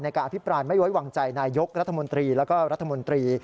การอภิปรายไม่ไว้วางใจนายกรัฐมนตรีแล้วก็รัฐมนตรี